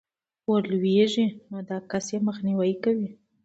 ورلوېږي، نو دا كس ئې مخنيوى كوي